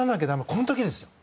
この時です。